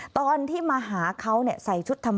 ตอนที่มาหาเขาใส่ชุดธรรมดา